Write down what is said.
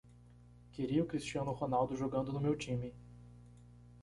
Queria o Cristiano Ronaldo jogando no meu time.